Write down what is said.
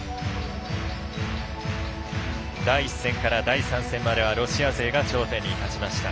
第１戦から第３戦まではロシア勢が頂点に立ちました。